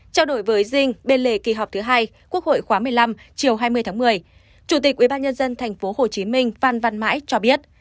chiều hai mươi tháng một mươi chủ tịch ubnd tp hcm phan văn mãi cho biết